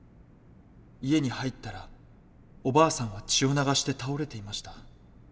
家に入ったらおばあさんは血を流して倒れていました。